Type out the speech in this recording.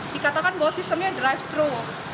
dikatakan bahwa sistemnya drive thru